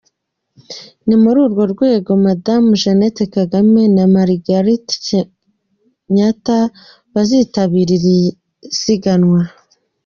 Ni muri urwo rwego Madamu Jeannette Kagame na Margaret Kenyatta bazitabira iri siganwa.